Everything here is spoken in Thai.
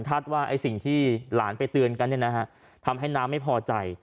ว่าไอ้สิ่งที่หลานไปเตือนกันทำให้น้าไม่พอใจ